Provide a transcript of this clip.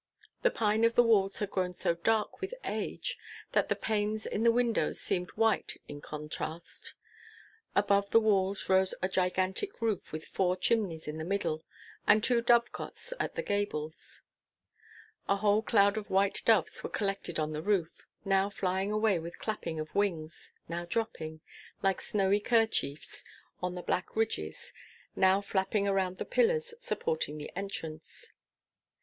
The pine of the walls had grown so dark with age that the panes in the windows seemed white in contrast. Above the walls rose a gigantic roof with four chimneys in the middle, and two dovecotes at the gables. A whole cloud of white doves were collected on the roof, now flying away with clapping of wings, now dropping, like snowy kerchiefs, on the black ridges, now flapping around the pillars supporting the entrance.